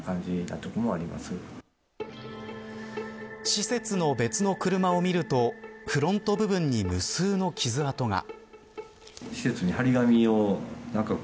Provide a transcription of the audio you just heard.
施設の別の車を見るとフロント部分に無数の傷跡が。